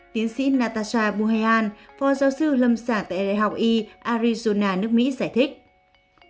tiến sĩ natasha buhayan phó giáo sư lâm sản tại đại học y arizona nước mỹ giải thích